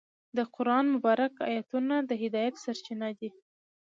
د قرآن مبارکه آیتونه د هدایت سرچینه دي.